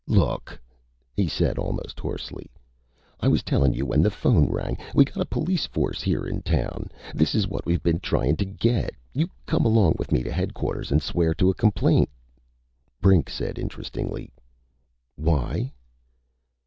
"Look!" he said almost hoarsely, "I was tellin' you when the phone rang! We got a police force here in town! This's what we've been tryin' to get! You come along with me to Headquarters an' swear to a complaint " Brink said interestedly: "Why?"